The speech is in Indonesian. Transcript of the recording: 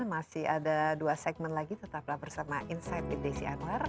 masih ada dua segmen lagi tetaplah bersama insight with desi anwar